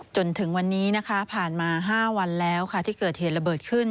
จนถึงวันนี้นะคะผ่านมา๕วันแล้วค่ะที่เกิดเหตุระเบิดขึ้น